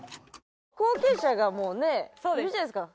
後継者がもうねいるじゃないですか。